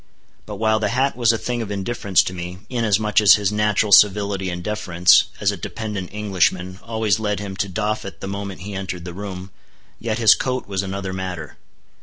But while the hat was a thing of indifference to me, inasmuch as his natural civility and deference, as a dependent Englishman, always led him to doff it the moment he entered the room, yet his coat was another matter.